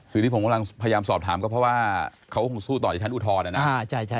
คือที่ผมกำลังพยายามสอบถามก็เพราะว่าเขาคงสู้ต่อในชั้นอุทธรณ์นะ